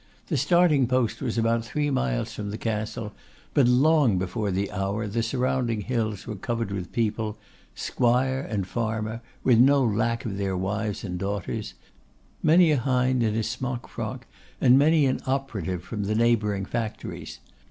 The starting post was about three miles from the Castle; but, long before the hour, the surrounding hills were covered with people; squire and farmer; with no lack of their wives and daughters; many a hind in his smock frock, and many an 'operative' from the neighbouring factories.